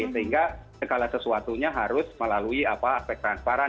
sehingga segala sesuatunya harus melalui aspek transparan